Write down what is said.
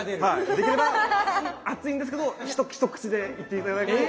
できれば熱いんですけど一口でいって頂けると。